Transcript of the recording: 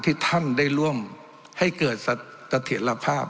ที่ท่านได้ร่วมให้เกิดเสถียรภาพ